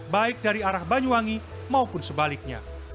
baik dari arah banyuwangi maupun sebaliknya